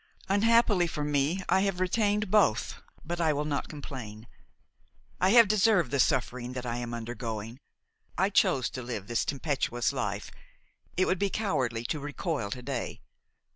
Unhappily for me I have retained both; but I will not complain, I have deserved the suffering that I am undergoing; I chose to live this tempestuous life; it would be cowardly to recoil to day.